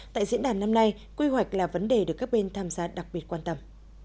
tại diễn đàn năm nay quy hoạch là vấn đề được các bên tham gia đặc biệt quan tâm